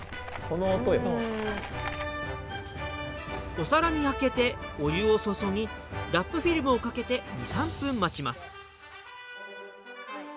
お皿にあけてお湯を注ぎラップフィルムをかけて２３分待ちます。